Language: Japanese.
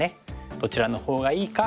どちらのほうがいいか。